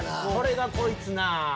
これがこいつなぁ。